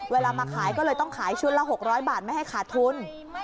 เวลามาขายก็เลยต้องขายชุดละ๖๐๐บาทไม่ให้ขาดทุน